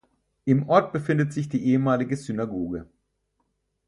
Im Ort befindet sich die ehemalige Synagoge.